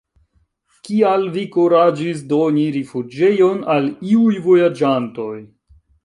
Kial vi kuraĝis doni rifuĝejon al iuj vojaĝantoj?